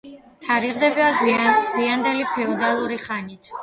თარიღდება გვიანდელი ფეოდალური ხანით.